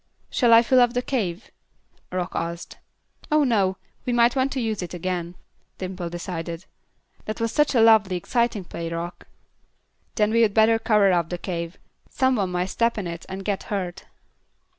"Shall I fill up the cave?" Rock asked. "Oh no, we might want to use it again," Dimple decided. "That was such a lovely, exciting play, Rock." "Then we'd better cover up the cave. Some one might step in it, and get hurt."